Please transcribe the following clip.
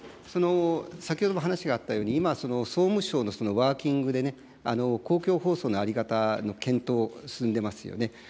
先ほども話があったように、今、総務省のワーキングで、公共放送の在り方の検討、進んでますよね。